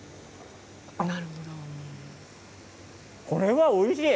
これはおいしい。